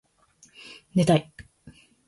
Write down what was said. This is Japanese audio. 寝たい